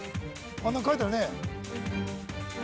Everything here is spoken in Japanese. あっ何か書いてあるね